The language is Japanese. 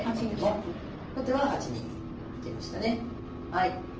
後手は８二に引きましたね。